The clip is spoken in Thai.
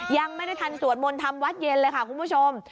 ยังไม่ได้ทันสวดมนต์ทำวัดเย็นเลยค่ะคุณผู้ชม